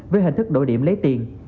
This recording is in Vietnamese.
với hình thức đổi điểm lấy tiền